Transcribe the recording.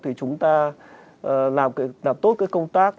thì chúng ta làm tốt cái công tác